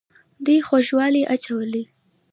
دوی غوږوالۍ اچولې